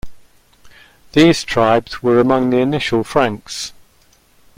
These tribes were among the initial Franks.